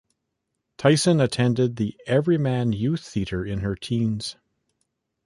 Tyson attended the Everyman Youth Theatre in her teens.